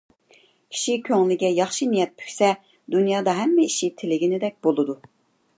كىشى كۆڭلىگە ياخشى نىيەت پۈكسە، دۇنيادا ھەممە ئىشى تىلىگىنىدەك بولىدۇ.